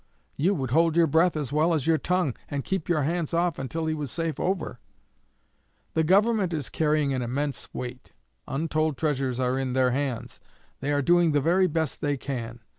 you would hold your breath as well as your tongue, and keep your hands off until he was safe over. The Government is carrying an immense weight. Untold treasures are in their hands. They are doing the very best they can.